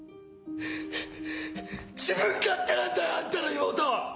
自分勝手なんだよ！あんたの妹。